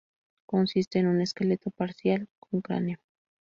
Consiste en un esqueleto parcial con cráneo.